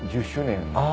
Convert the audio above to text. １０周年に。